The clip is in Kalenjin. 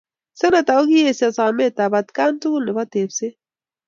Senator kokiesyo someetab atkaan tugul nebo tepseet.